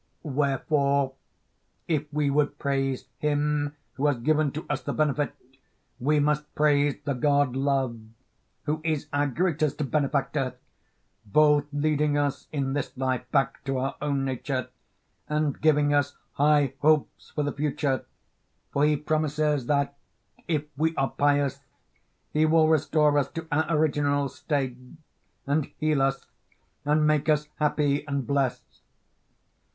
Wherefore, if we would praise him who has given to us the benefit, we must praise the god Love, who is our greatest benefactor, both leading us in this life back to our own nature, and giving us high hopes for the future, for he promises that if we are pious, he will restore us to our original state, and heal us and make us happy and blessed.